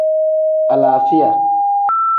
Alaafiya.